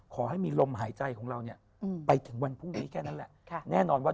ขอให้มีลมหายใจของเราเนี่ยไปถึงวันพรุ่งนี้แค่นั้นแหละแน่นอนว่า